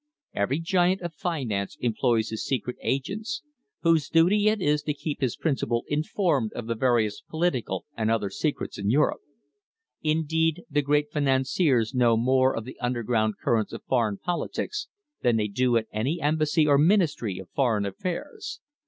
Every giant of finance employs his secret agents, whose duty it is to keep his principal informed of the various political and other secrets in Europe. Indeed, the great financiers know more of the underground currents of foreign politics than they do at any Embassy or Ministry of Foreign Affairs.